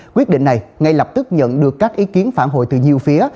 quyết định này ngay lập tức nhận được các ý kiến phản hồi từ nhiều phía